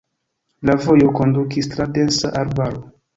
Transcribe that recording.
La vojo kondukis tra densa arbaro.